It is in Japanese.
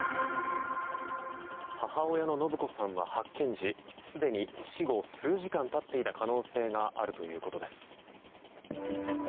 母親の延子さんは発見時すでに死後数時間経っていた可能性があるということです。